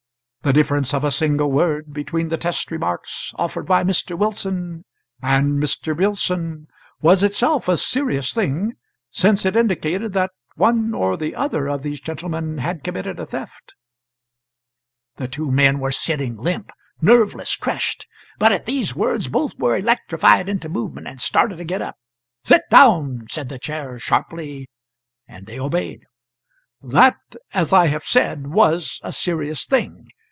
The difference of a single word between the test remarks offered by Mr. Wilson and Mr. Billson was itself a serious thing, since it indicated that one or the other of these gentlemen had committed a theft " The two men were sitting limp, nerveless, crushed; but at these words both were electrified into movement, and started to get up. "Sit down!" said the Chair, sharply, and they obeyed. "That, as I have said, was a serious thing.